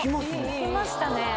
いきましたね。